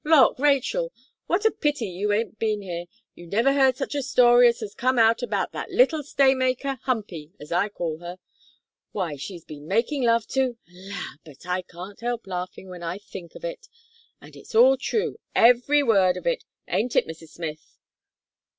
Lawk, Rachel! what a pity you ain't been here! You never heard such a story as has come out about that little staymaker, Humpy, as I call her. Why, she's been a making love to la! but I can't help laughing, when I think of it; and it's all true, every word of it; aint it, Mrs. Smith?"